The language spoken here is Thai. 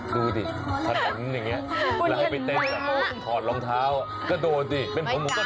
ดูดิถ้าทำอย่างเงี้ยแล้วให้ไปเต้นกันถอดรองเท้ากระโดดดิเป็นมะมุกกระโดด